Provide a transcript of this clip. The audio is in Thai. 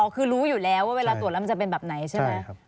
คือรู้อยู่แล้วว่าเวลาตรวจแล้วมันจะเป็นแบบไหนใช่ไหม